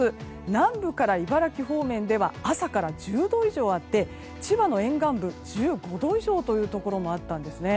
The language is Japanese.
南部から茨城方面では朝から１０度以上あって千葉の沿岸部では１５度以上というところもあったんですね。